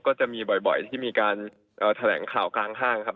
ก็จะมีบ่อยที่มีการแถลงข่าวกลางห้างครับ